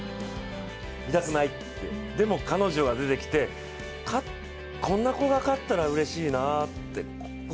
見たくないって、でも彼女が出てきてこんな子が勝ったらうれしいなって。